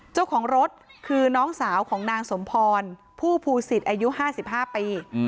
เจ้าของรถคือน้องสาวของนางสมพรผู้ภูสิตอายุ๕๕ปี